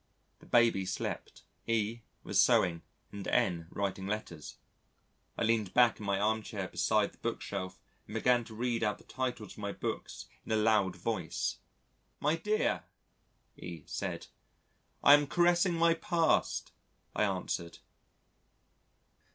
The Baby slept, E was sewing and N writing letters. I leaned back in my armchair beside the bookshelf and began to read out the titles of my books in a loud voice. "My dear!" E said. "I am caressing my past," I answered.